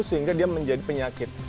sehingga dia menjadi penyakit